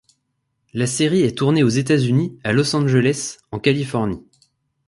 La série est tournée aux États-Unis, à Los Angeles en Californie.